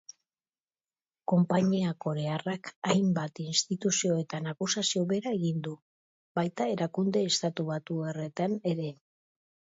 Konpainia korearrak hainbat instituziotan akusazio bera egin du, baita erakunde estatubatuarretan ere.